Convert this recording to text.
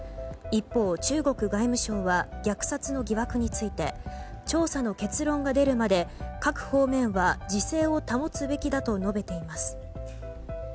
一方、中国外務省は虐殺の疑惑について調査の結論が出るまで各方面は自制を保つべきだと述べています。